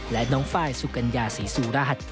และน้องไฟล์สุกัญญาศรีสุราช